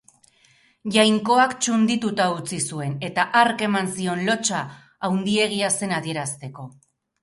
Jainkoak txundituta utzi zuen, eta Hark eman zion lotsa handiegia zen adierazteko.